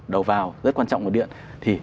đầu vào rất quan trọng của điện thì